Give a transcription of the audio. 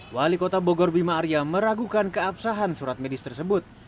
wali kota bogor bima arya meragukan keabsahan surat medis tersebut